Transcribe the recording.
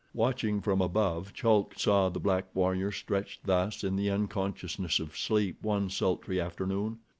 Watching from above, Chulk saw the black warrior stretched thus in the unconsciousness of sleep one sultry afternoon.